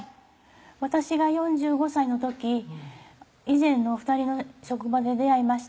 私が４５歳の時以前の２人の職場で出会いました